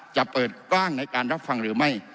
จะเปิดกว้างในการรับฟังหรือไม่